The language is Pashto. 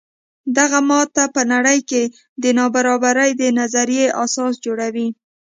دغه ماته په نړۍ کې د نابرابرۍ د نظریې اساس جوړوي.